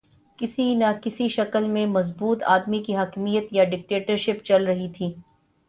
کسی نہ کسی شکل میں مضبوط آدمی کی حاکمیت یا ڈکٹیٹرشپ چل رہی تھی۔